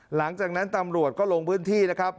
หลังจากนั้นตำรวจก็ลงพื้นที่นะครับ